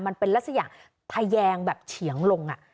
มันเป็นลักษณะทะแยงแบบเฉียงลง